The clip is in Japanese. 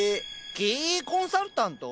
経営コンサルタント？